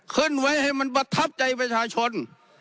ขึ้นไว้ให้มันประทับใจประชาชน